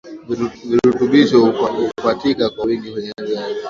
Virutubisho hupatika kwa wingi kwenye viazi